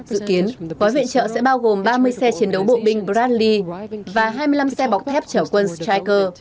dự kiến gói viện trợ sẽ bao gồm ba mươi xe chiến đấu bộ binh bradli và hai mươi năm xe bọc thép chở quân streacer